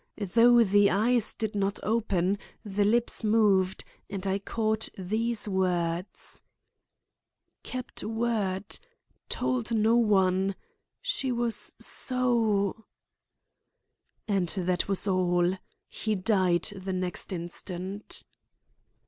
Though the eyes did not open, the lips moved, and I caught these words: "Kept word—told no one—she was so—" And that was all. He died the next instant.